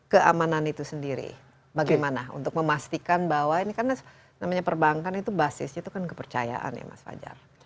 keamanan itu sendiri bagaimana untuk memastikan bahwa ini kan namanya perbankan itu basisnya itu kan kepercayaan ya mas fajar